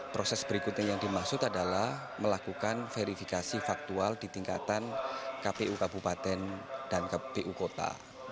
proses berikutnya yang dimaksud adalah melakukan verifikasi faktual di tingkatan kpu kabupaten dan kpu kota